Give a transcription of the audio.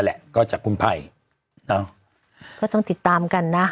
แหละก็จากคุณไผ่เนอะก็ต้องติดตามกันนะ